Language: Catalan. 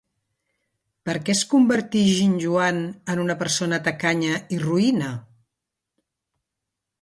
Per què es convertí Ginjoan en una persona tacanya i roïna?